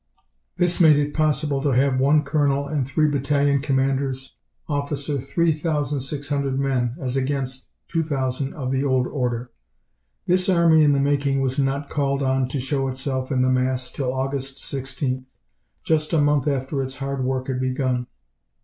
This made it possible to have 1 colonel and 3 battalion commanders officer 3,600 men, as against 2,000 of the old order. This army in the making was not called on to show itself in the mass till August 16, just a month after its hard work had begun.